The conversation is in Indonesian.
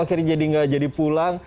akhirnya jadi gak jadi pulang